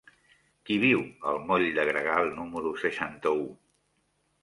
Qui viu al moll de Gregal número seixanta-u?